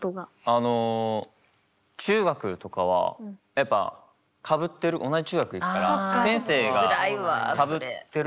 あの中学とかはやっぱかぶってる同じ中学行くから先生がかぶってるのよ。